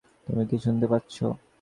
তুমি কি শুনতে পাচ্ছ?